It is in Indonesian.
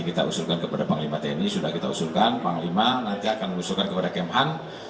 sudah kita usulkan kepada panglima tni sudah kita usulkan panglima nanti akan usulkan kepada kementerian pertahanan